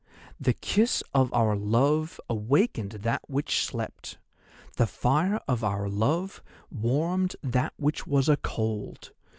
The kiss of our love awakened That which slept, the fire of our love warmed That which was a cold!